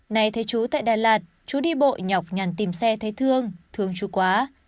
này thấy chú tại đà lạt chú đi bộ nhọc nhằn tìm xe thấy thương thương chú quá